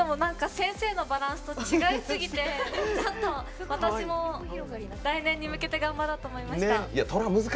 先生のバランスと違いすぎて私も来年に向けて頑張ろうと思いました。